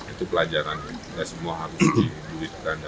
itu pelajaran tidak semua harus dibuatkan dan sebagainya